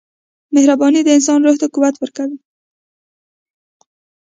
• مهرباني د انسان روح ته قوت ورکوي.